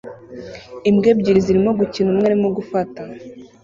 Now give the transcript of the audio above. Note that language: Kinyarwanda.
Imbwa ebyiri zirimo gukina; umwe arimo gufata